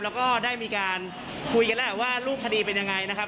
แล้วก็ได้มีการคุยกันแล้วว่ารูปคดีเป็นยังไงนะครับ